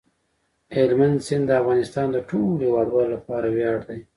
هلمند سیند د افغانستان د ټولو هیوادوالو لپاره ویاړ دی.